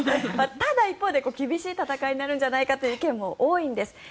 ただ一方で厳しい戦いになるんじゃないかという声も多いんです。